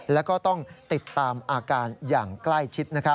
แล้วก็ต้องติดตามอาการอย่างใกล้ชิด